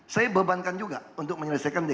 saya bebankan juga untuk menyelesaikan